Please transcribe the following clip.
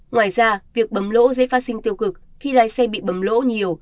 ngoài ra việc bấm lỗ giấy phát sinh tiêu cực khi lái xe bị bấm lỗ nhiều